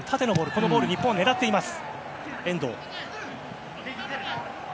このボールを日本が狙っています。